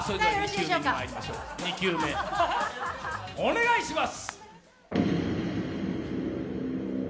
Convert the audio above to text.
２球目、お願いします。